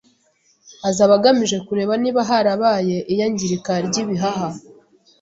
azaba agamije kureba niba harabaye iyangirika ry’ibihaha,